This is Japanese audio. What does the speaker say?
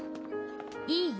いい？